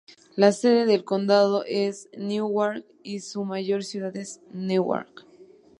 La sede del condado es Newark, y su mayor ciudad es Newark.